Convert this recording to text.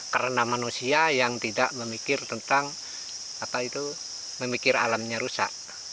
karena manusia yang tidak memikir tentang alamnya rusak